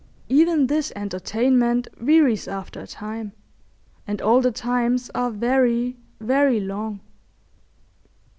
Even this entertainment wearies after a time; and all the times are very, very long.